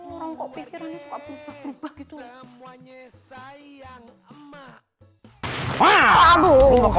orang kok pikirannya suka berubah ubah gitu